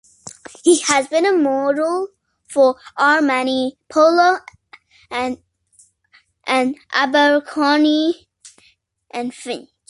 He has been a model for Armani, Polo and Abercrombie and Fitch.